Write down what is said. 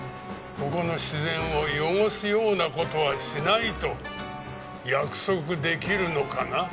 ここの自然を汚すようなことはしないと約束できるのかな？